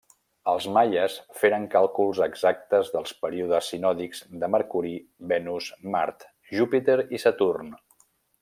Els maies feren càlculs exactes dels períodes sinòdics de Mercuri, Venus, Mart, Júpiter i Saturn.